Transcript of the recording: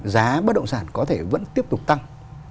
giá bất động sản có thể vẫn tiếp tục tăng